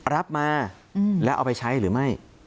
รับมาแล้วเอาไปใช้หรือไม่